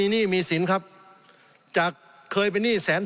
สงบจนจะตายหมดแล้วครับ